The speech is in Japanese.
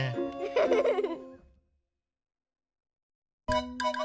フフフフ。